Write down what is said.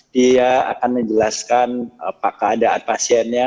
dia akan menjelaskan apa keadaan pasiennya